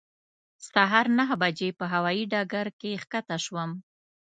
سهار نهه بجې په هوایې ډګر کې ښکته شوم.